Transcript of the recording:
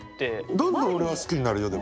どんどん俺は好きになるよでも。